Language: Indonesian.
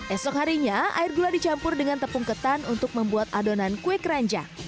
esok harinya air gula dicampur dengan tepung ketan untuk membuat adonan kue keranjang